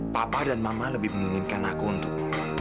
papa dan mama lebih menginginkan aku untuk